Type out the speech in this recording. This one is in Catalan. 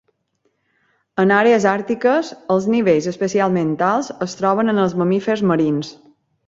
En àrees àrtiques, els nivells especialment alts es troben en els mamífers marins.